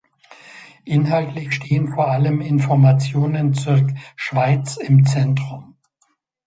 Inhaltlich stehen vor allem Informationen zur Schweiz im Zentrum.